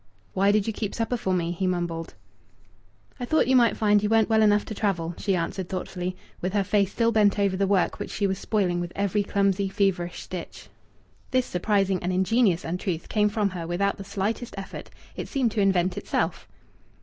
"Why did you keep supper for me?" he mumbled. "I thought you might find you weren't well enough to travel," she answered thoughtfully, with her face still bent over the work which she was spoiling with every clumsy, feverish stitch. This surprising and ingenious untruth came from her without the slightest effort. It seemed to invent itself.